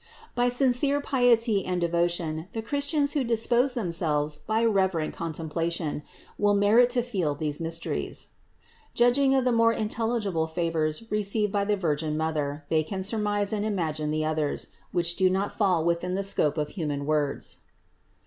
By sincere piety and devotion, the Christians who dispose themselves by reverent contemplation, will merit to feel these mysteries. Judging of the more intelligible favors received by the Virgin Mother, they can surmise and THE INCARNATION 489 imagine the others, which do not fall within the scope of human words.